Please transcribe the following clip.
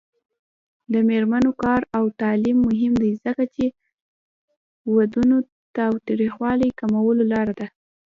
د میرمنو کار او تعلیم مهم دی ځکه چې ودونو تاوتریخوالي کمولو لاره ده.